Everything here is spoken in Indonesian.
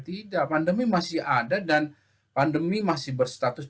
tidak pandemi masih ada dan pandemi masih berstatus